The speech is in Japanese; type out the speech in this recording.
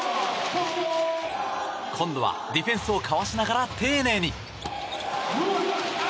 今度はディフェンスをかわしながら丁寧に。